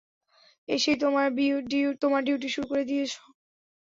এসেই তোমার ডিউটি শুরু করে দিয়েছো!